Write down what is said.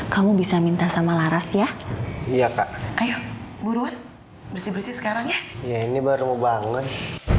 kamu bisa minta sama laras ya iya pak ayo buruan bersih bersih sekarang ya ini baru mau banget